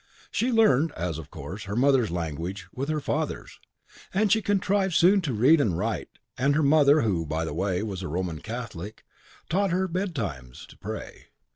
She learned, as of course, her mother's language with her father's. And she contrived soon to read and to write; and her mother, who, by the way, was a Roman Catholic, taught her betimes to pray.